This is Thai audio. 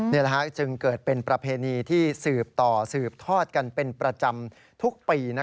จึงเกิดเป็นประเพณีที่สืบต่อสืบทอดกันเป็นประจำทุกปี